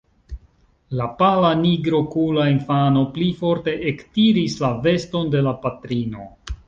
La pala nigrokula infano pli forte ektiris la veston de la patrino.